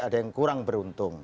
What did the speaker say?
ada yang kurang beruntung